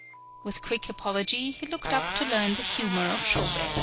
With quick apol ogy he looked up to learn the humor of Shobei.